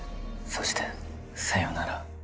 そしてさようなら。